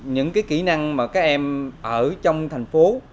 những kỹ năng mà các em ở trong thành phố